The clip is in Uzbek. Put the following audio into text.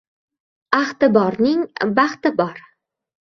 Ahdi borning baxti bor.